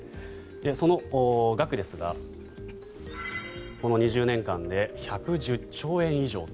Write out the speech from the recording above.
その額ですが、この２０年間で１１０兆円以上と。